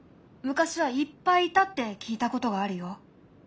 昔はいっぱいいたって聞いたことがあるよ。